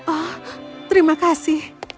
oh terima kasih